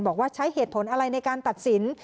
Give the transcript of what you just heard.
บอกว่าใช้เหตุผลอะไรในการตัดสิน